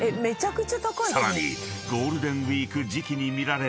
［さらに］